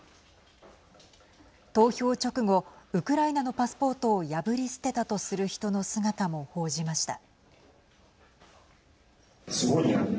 投票直後ウクライナのパスポートを破り捨てたとする人の姿も報じました。